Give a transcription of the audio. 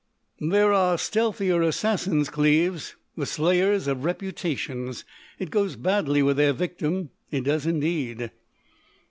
"There are stealthier assassins, Cleves,—the slayers of reputations. It goes badly with their victim. It does indeed."